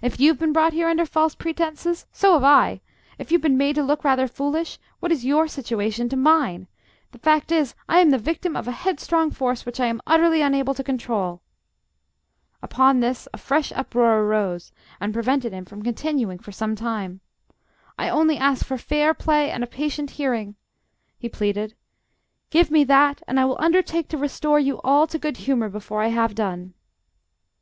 If you've been brought here under false pretences, so have I. If you've been made to look rather foolish, what is your situation to mine? The fact is, I am the victim of a headstrong force which I am utterly unable to control...." Upon this a fresh uproar arose, and prevented him from continuing for some time. "I only ask for fair play and a patient hearing!" he pleaded. "Give me that, and I will undertake to restore you all to good humour before I have done."